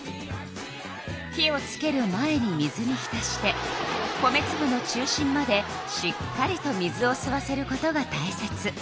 火をつける前に水に浸して米つぶの中心までしっかりと水をすわせることがたいせつ。